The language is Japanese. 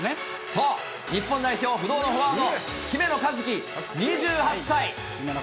そう、日本代表不動のフォワード、姫野和樹２８歳。